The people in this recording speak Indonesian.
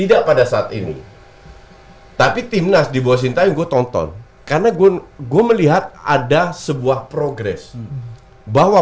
tidak pada saat ini tapi timnas di bawah sintayong gue tonton karena gue melihat ada sebuah progres bahwa